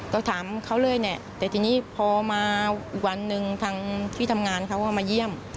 ก็ถามเขาเลยเนี่ยแต่ทีนี้พอมาอีกวันหนึ่งทางที่ทำงานเขาก็มาเยี่ยม